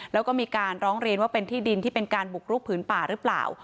แล้วก็มีการร้องเรียนว่าเป็นที่ดินที่เป็นการบุกรุกผืนป่าหรือเปล่า